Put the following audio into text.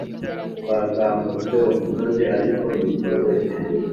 twazamutse umusozi, ariko bitoroshye.